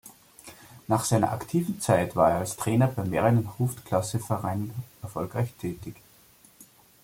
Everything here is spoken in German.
Nach seiner aktiven Zeit war er als Trainer bei mehreren Hoofdklasse-Vereinen erfolgreich tätig.